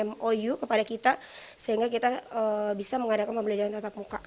mou kepada kita sehingga kita bisa mengadakan pembelajaran tetap muka